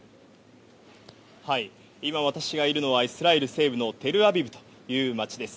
今私がいるのは、イスラエル西部のテルアビブという街です。